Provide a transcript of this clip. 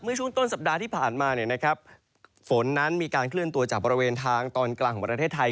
ช่วงต้นสัปดาห์ที่ผ่านมาฝนนั้นมีการเคลื่อนตัวจากบริเวณทางตอนกลางของประเทศไทย